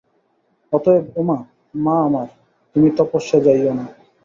অতএব উমা, মা আমার, তুমি তপস্যায় যাইও না।